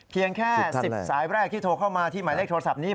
เพียงแค่๑๐สายแรกที่โทรเข้ามาที่หมายเลขโทรศัพท์นี้